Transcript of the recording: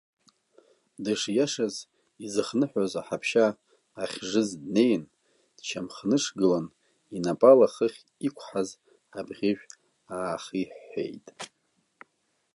Дышиашаз изыхныҳәоз аҳаԥшьа ахьжыз днеин, дшьамхнышгылан инапала хыхь иқәҳаз абӷьыжә аахиҳәҳәеит.